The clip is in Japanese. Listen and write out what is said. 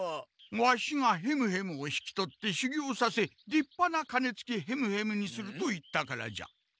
ワシがヘムヘムを引き取って修行させ立派な鐘つきヘムヘムにすると言ったからじゃ。